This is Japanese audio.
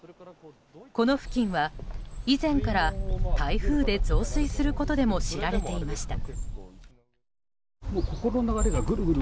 この付近は以前から台風で増水することでも知られていました。